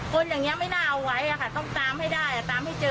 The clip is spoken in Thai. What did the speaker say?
คนอย่างนี้ไม่น่าเอาไว้ค่ะต้องตามให้ได้ตามให้เจอ